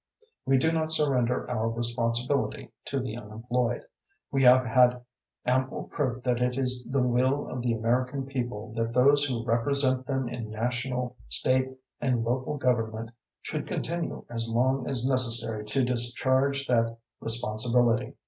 We do not surrender our responsibility to the unemployed. We have had ample proof that it is the will of the American people that those who represent them in national, state and local government should continue as long as necessary to discharge that responsibility.